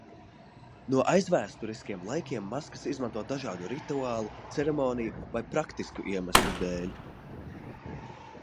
No aizvēsturiskiem laikiem maskas izmanto dažādu rituālu, ceremoniju vai praktisku iemeslu dēļ.